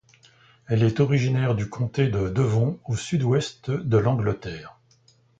Elle est originaire du comté de Devon au sud-ouest de l'Angleterre.